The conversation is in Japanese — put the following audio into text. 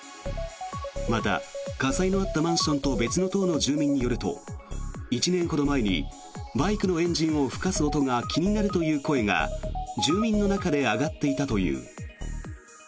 また、火災のあったマンションと別の棟の住民によると１年ほど前にバイクのエンジンを吹かす音が気になるという声が住民の中で上がっていたという。